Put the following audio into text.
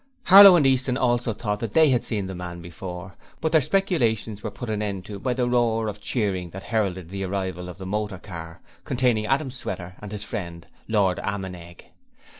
Harlow and Easton also thought they had seen the man before, but their speculations were put an end to by the roar of cheering that heralded the arrival of the motor car, containing Adam Sweater and his friend, Lord Ammenegg.